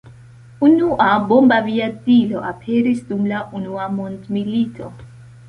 Unua bombaviadilo aperis dum la unua mondmilito.